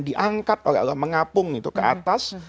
diangkat oleh allah mengapung itu ke atas